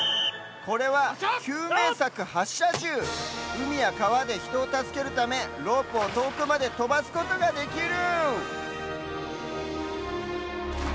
うみやかわでひとをたすけるためロープをとおくまでとばすことができる！